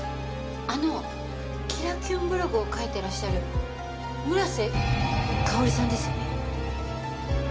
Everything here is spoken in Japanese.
あの「キラキュンブログ」を書いてらっしゃる村瀬香織さんですよね？